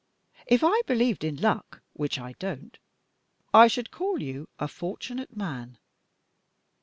If I believed in luck which I don't I should call you a fortunate man."